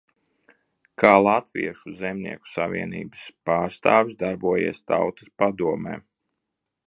Kā Latviešu zemnieku savienības pārstāvis darbojies Tautas padomē.